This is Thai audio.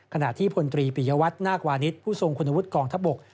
ขณะที่พลตรีปิยวัตรนาควานิสผู้ทรงคุณวุฒิกองทัพบก